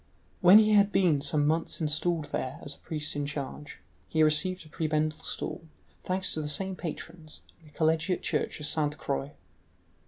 When he had been some months installed there as a priest in charge, he received a prebendal stall, thanks to the same patrons, in the collegiate church of Sainte Croix.